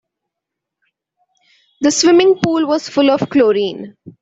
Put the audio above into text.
The swimming pool was full of chlorine.